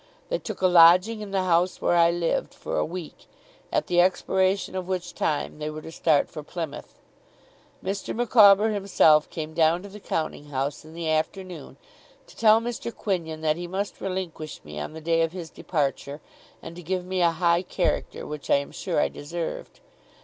They took a lodging in the house where I lived, for a week; at the expiration of which time they were to start for Plymouth. Mr. Micawber himself came down to the counting house, in the afternoon, to tell Mr. Quinion that he must relinquish me on the day of his departure, and to give me a high character, which I am sure I deserved.